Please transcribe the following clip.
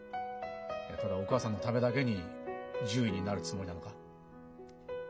ただお母さんのためだけに獣医になるつもりなのか？